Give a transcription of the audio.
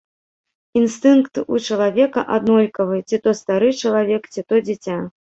Інстынкт у чалавека аднолькавы, ці то стары чалавек, ці то дзіця.